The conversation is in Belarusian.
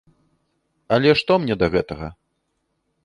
Але што мне да гэтага!